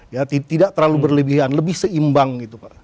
ya tidak terlalu berlebihan lebih seimbang gitu pak